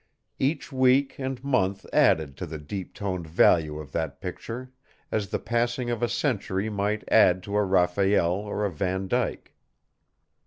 Each week and month added to the deep toned value of that picture, as the passing of a century might add to a Raphael or a Vandyke.